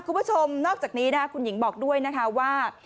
คุณผู้ชมนอกจากนี้นะคุณหญิงบอกด้วยนะคะว่า